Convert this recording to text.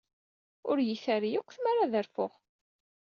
Ur iyi-terri akk tmara ad rfuɣ.